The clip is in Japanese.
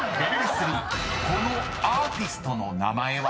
．３このアーティストの名前は？］